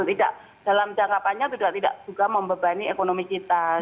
tidak dalam jangka panjang juga tidak membebani ekonomi kita gitu